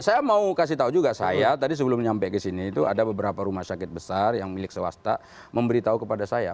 saya mau kasih tahu juga saya tadi sebelum nyampe ke sini itu ada beberapa rumah sakit besar yang milik swasta memberitahu kepada saya